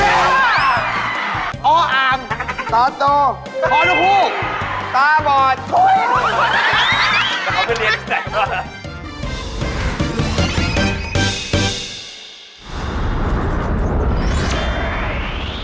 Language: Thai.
ดูข้าใบข้าใบขาใบขาขัวของเราของเรา